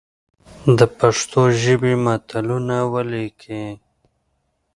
د پښتو ژبي متلونه ولیکئ!